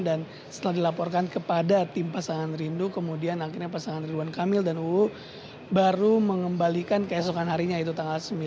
dan setelah dilaporkan kepada tim pasangan rindu kemudian akhirnya pasangan ridwan kamil dan uu baru mengembalikan keesokan harinya yaitu tanggal sembilan